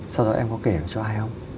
sau đó em có kể cho ai không